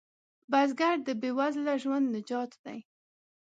بزګر د بې وزله ژوند نجات دی